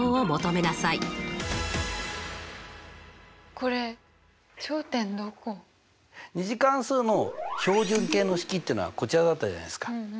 これ２次関数の標準形の式というのはこちらだったじゃないですか。